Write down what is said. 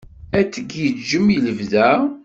Ad tgiǧǧem i lebda?